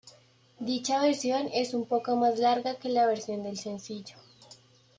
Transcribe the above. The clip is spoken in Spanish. Dicha versión es un poco más larga que la versión del sencillo.